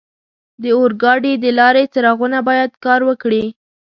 د اورګاډي د لارې څراغونه باید کار وکړي.